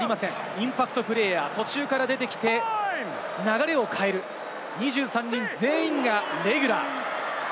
インパクトプレーヤー、途中から出てきて、流れを変える、２３人全員がレギュラー。